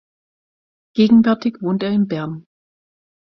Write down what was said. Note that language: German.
Gegenwärtig wohnt er in Bern.